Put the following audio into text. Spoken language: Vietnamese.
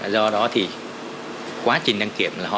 do đó thì quá trình đăng kiểm là họ